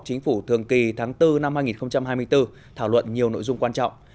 chính phủ thường kỳ tháng bốn năm hai nghìn hai mươi bốn thảo luận nhiều nội dung quan trọng